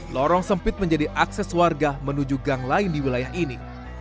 lorong sempit menjadi akses warga menuju gang lain di wilayah ini